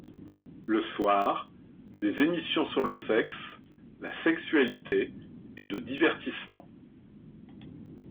Le soir, des émissions sur le sexe, la sexualité, et de divertissement.